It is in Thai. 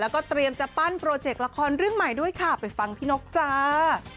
แล้วก็เตรียมจะปั้นโปรเจกต์ละครเรื่องใหม่ด้วยค่ะไปฟังพี่นกจ้า